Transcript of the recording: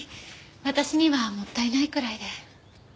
私にはもったいないくらいで。